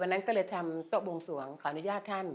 นั้นก็เลยทำโต๊ะบวงสวงขออนุญาตท่าน